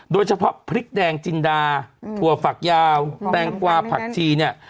โดยเฉพาะพริกแดงจินดาถั่วฝักยาวแตงกวาผักชีเนี่ย